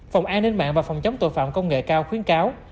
phòng an ninh mạng và phòng chống tội phạm công nghệ cao khuyến cáo